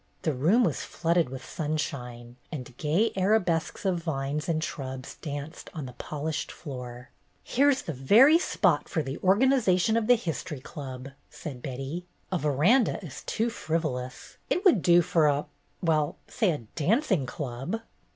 The room was flooded with sunshine, and gay arabesques of vines and shrubs danced on the polished floor. " Here 's the very spot for the organization of the History Club," said Betty. "A veranda is too frivolous. It would do for a — well, say a dancing club."